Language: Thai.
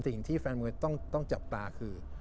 สิ่งที่แฟนมวยต้องจับตาคือ